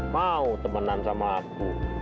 mau temenan sama aku